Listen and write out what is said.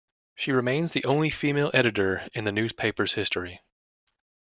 She remains the only female editor in the newspaper's history.